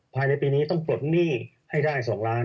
ภายในปีนี้ต้องปลดหนี้ให้ได้๒ล้าน